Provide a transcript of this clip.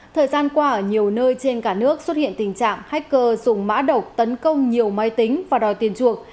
thời gian qua ở nhiều nơi trên cả nước xuất hiện tình trạng hacker dùng mã độc tấn công nhiều máy tính và đòi tiền chuộc